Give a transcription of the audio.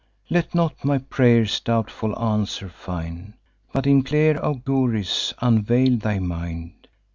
Let not my pray'rs a doubtful answer find; But in clear auguries unveil thy mind.